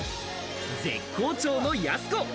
絶好調のやす子。